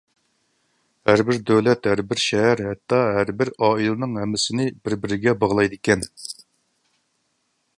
ھەربىر دۆلەت، ھەربىر شەھەر، ھەتتا ھەربىر ئائىلىنىڭ ھەممىسىنى بىر-بىرىگە باغلايدىكەن.